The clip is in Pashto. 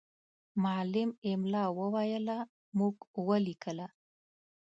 معلم املا وویله، موږ ولیکله.